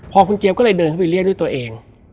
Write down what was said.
พอคุณเจี๊ยบก็เลยเดินเข้าไปเรียกด้วยตัวเอง